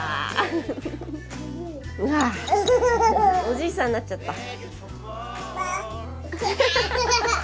おじいさんになっちゃった！